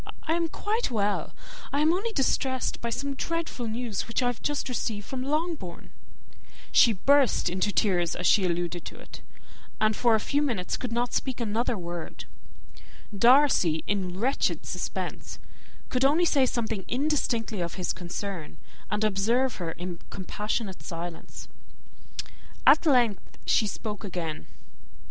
I am quite well, I am only distressed by some dreadful news which I have just received from Longbourn." She burst into tears as she alluded to it, and for a few minutes could not speak another word. Darcy, in wretched suspense, could only say something indistinctly of his [Illustration: "I have not an instant to lose" ] concern, and observe her in compassionate silence. At length she spoke again.